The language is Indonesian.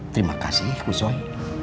terima kasih kusoi